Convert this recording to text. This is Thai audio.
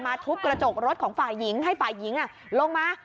ทุบกระจกรถของฝ่ายหญิงให้ฝ่ายหญิงลงมา